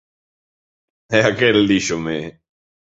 E aquel díxome: